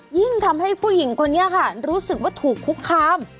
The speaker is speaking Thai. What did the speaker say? ยิ่งทำให้ผู้หญิงคนนี้ค่ะรู้สึกว่าถูกคุกคาม